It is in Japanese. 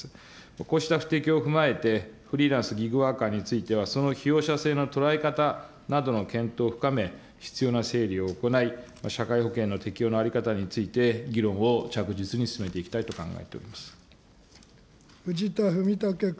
こうしたを踏まえて、フリーランス、ギグワーカーについては、その被用者性の捉え方などの検討を深め、必要な整理を行い、社会保険の適用の在り方について議論を着実に進めていきたいと考藤田文武君。